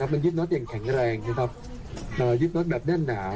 มันยึดน็อตอย่างแข็งแรงยึดน็อตแบบแด้นหนา